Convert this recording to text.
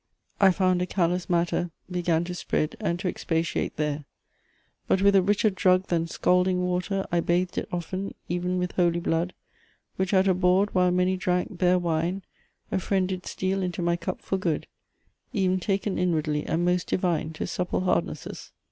I found a callous matter Began to spread and to expatiate there: But with a richer drug than scalding water I bath'd it often, ev'n with holy blood, Which at a board, while many drank bare wine, A friend did steal into my cup for good, Ev'n taken inwardly, and most divine To supple hardnesses.